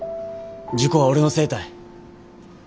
事故は俺のせいたい。